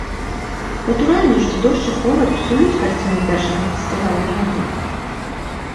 Натуральна, што дождж і холад псуюць карціну першага фестывальнага дня.